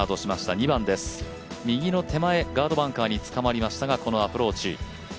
２番です、右の手前、ガードバンカーにつかまりましたが、このアプローチ。